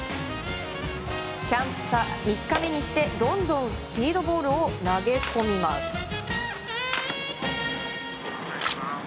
キャンプ３日目にしてどんどんスピードボールを投げ込みます。